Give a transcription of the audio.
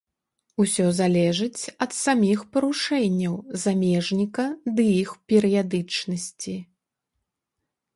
Усё залежыць ад саміх парушэнняў замежніка ды іх перыядычнасці.